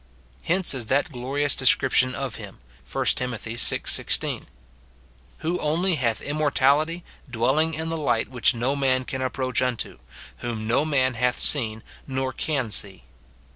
Hence is that glorious description of him, 1 Tim. vi. 16, " Who only hath immortality, dwelling in the light which no man can approach unto ; whom no man hath seen, nor can see."